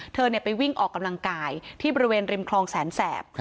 เธอไปวิ่งออกกำลังกายที่บริเวณริมคลองแสนแสบ